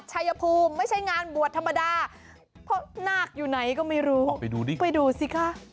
ขอช่วยหานาฬให้ดูสิ